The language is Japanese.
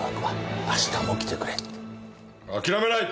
諦めない。